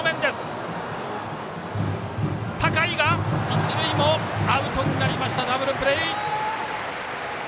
一塁もアウトになりましたダブルプレー！